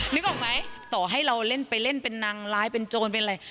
นึกออกไหมต่อให้เราเล่นไปเล่นเป็นนางร้ายเป็นโจรเป็นอะไร